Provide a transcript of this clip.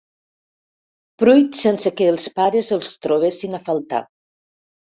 Pruit sense que els pares els trobessin a faltar.